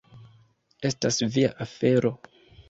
Estas via afero.